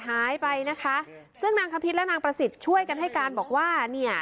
หายไปนะคะซึ่งนางคพิษและนางประสิทธิ์ช่วยกันให้การบอกว่าเนี่ย